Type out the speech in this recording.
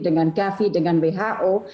dengan gavi dengan who